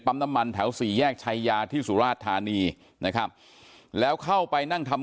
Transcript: น้ำมันแถวสี่แยกชายาที่สุราชธานีนะครับแล้วเข้าไปนั่งทำ